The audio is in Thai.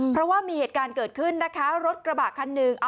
เพราะว่ามีเหตุการณ์เกิดขึ้นนะคะรถกระบะคันหนึ่ง